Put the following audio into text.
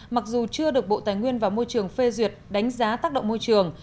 mặc dù chưa được bộ tài nguyên và môi trường phê duyệt đánh giá tác động môi trường